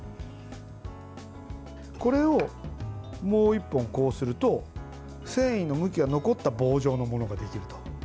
これを、もう１本こうすると繊維の向きが残った棒状のものができると。